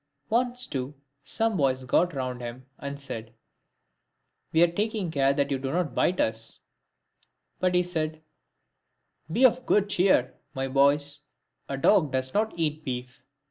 Once, too, some boys got round him and said, " We are taking care that you do not bite us ;" but he said, " Be of good cheer, my boys, a dog does not eat beef."